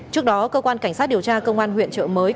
trước đó cơ quan cảnh sát điều tra công an huyện trợ mới